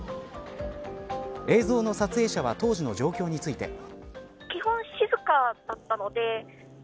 映像の撮影者は当時の状況について。